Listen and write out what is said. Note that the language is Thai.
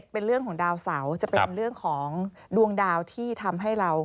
เป็นเรื่องของดาวเสาจะเป็นเรื่องของดวงดาวที่ทำให้เรา